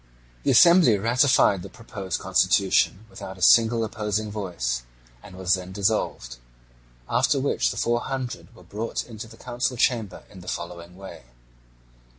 The assembly ratified the proposed constitution, without a single opposing voice, and was then dissolved; after which the Four Hundred were brought into the council chamber in the following way.